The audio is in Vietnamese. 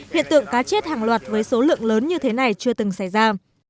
hiện tượng cá chết hàng loạt với số lượng lớn như thế này chưa từng xảy ra